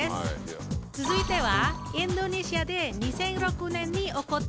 続いては。